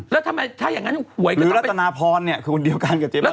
แล้วทำไมถ้าอย่างงั้นหวยหรือลัตนาพรเนี้ยคือคนเดียวกันกับเจ๊บ้าบิ่น